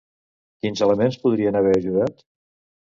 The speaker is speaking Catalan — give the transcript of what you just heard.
Quins elements podrien haver ajudat?